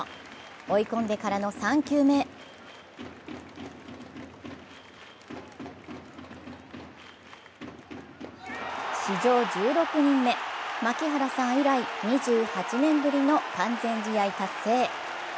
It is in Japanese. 追い込んでからの３球目史上１６人目、槙原さん以来２８年ぶりの完全試合達成。